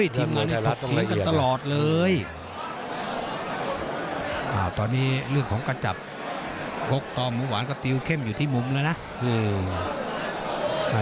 พี่ต้องมาเฝ้า